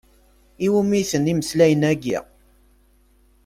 I wumi-ten imeslayen-agi?